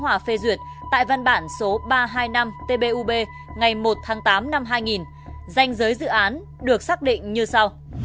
hòa phê duyệt tại văn bản số ba trăm hai mươi năm tbub ngày một tháng tám năm hai nghìn danh giới dự án được xác định như sau